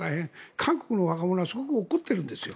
韓国の若者はすごく怒ってるんです。